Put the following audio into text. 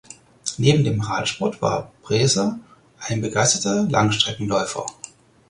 Neben dem Radsport war Bresser ein begeisterter Langstreckenläufer.